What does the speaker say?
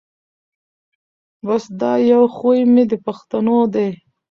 بس دا یو خوی مي د پښتنو دی